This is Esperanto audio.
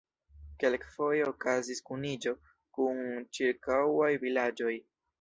Kelkfoje okazis kuniĝo kun ĉirkaŭaj vilaĝoj.